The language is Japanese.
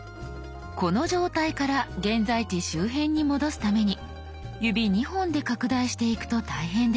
この状態から現在地周辺に戻すために指２本で拡大していくと大変です。